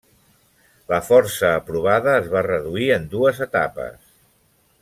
La força aprovada es va reduir en dues etapes.